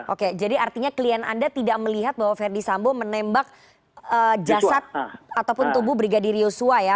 oke jadi artinya klien anda tidak melihat bahwa verdi sambo menembak jasad ataupun tubuh brigadir yosua ya